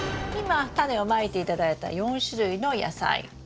今タネをまいて頂いた４種類の野菜。